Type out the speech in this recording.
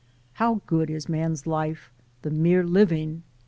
... How good is man's life, the mere living!